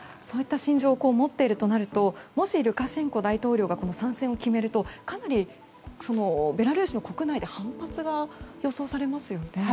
そういった心情を持っているとなるともしルカシェンコ大統領が参戦を決めるとかなりベラルーシの国内で反発が予想されますよね。